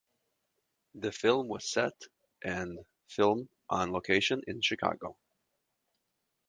The film was set and filmed on location in Chicago.